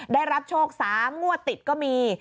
ได้รับโชค๓งวดติดก็มี